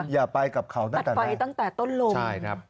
อย่าไปกับเขาตั้งแต่นั้นไปตั้งแต่ต้นลมใช่ครับ